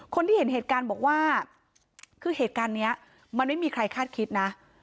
คนที่เห็นเหตุการณ์บอกว่าคือเหตุการณ์นี้มันไม่มีใครคาดคิดนะ